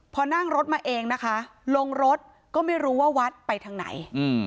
พอนั่งรถมาเองนะคะลงรถก็ไม่รู้ว่าวัดไปทางไหน